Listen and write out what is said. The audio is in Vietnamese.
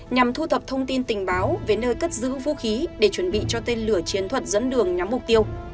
nhằm thu thập thông tin tình báo về nơi cất giữ vũ khí để chuẩn bị cho tên lửa chiến thuật dẫn đường nhắm mục tiêu